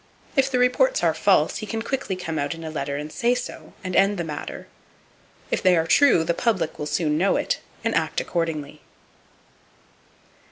If the reports are false, he can quickly come out in a letter and say so, and end the matter. If they are true, the public will soon know it, and act accordingly.